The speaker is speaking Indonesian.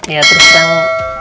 ya terus tau